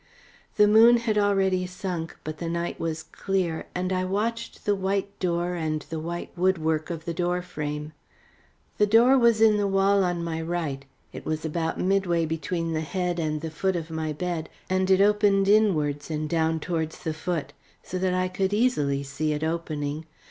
The moon had already sunk, but the night was clear, and I watched the white door and the white woodwork of the door frame. The door was in the wall on my right; it was about midway between the head and the foot of my bed, and it opened inwards and down towards the foot; so that I should easily see it opening.